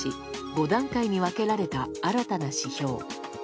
５段階に分けられた新たな指標。